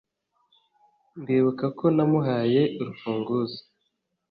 Ndibuka ko namuhaye urufunguzo